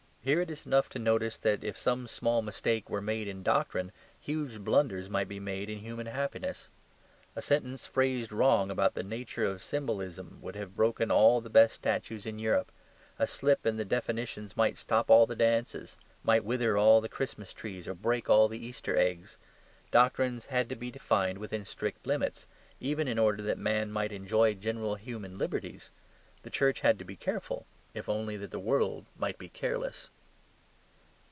Here it is enough to notice that if some small mistake were made in doctrine, huge blunders might be made in human happiness. A sentence phrased wrong about the nature of symbolism would have broken all the best statues in Europe. A slip in the definitions might stop all the dances; might wither all the Christmas trees or break all the Easter eggs. Doctrines had to be defined within strict limits, even in order that man might enjoy general human liberties. The Church had to be careful, if only that the world might be careless.